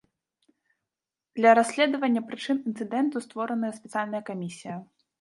Для расследавання прычын інцыдэнту створаная спецыяльная камісія.